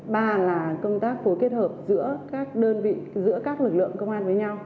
ba là công tác phối kết hợp giữa các đơn vị giữa các lực lượng công an với nhau